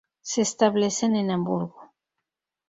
Se establecen en Hamburgo.